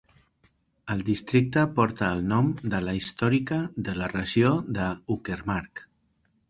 El districte porta el nom de la històrica de la regió de Uckermark.